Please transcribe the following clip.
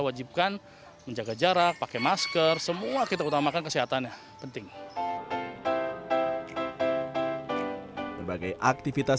wajibkan menjaga jarak pakai masker semua kita utamakan kesehatannya penting berbagai aktivitas